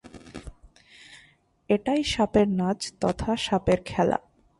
এটাই সাপের নাচ তথা সাপের খেলা।